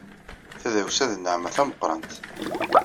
Tadawsa d nneɛma tameqrant.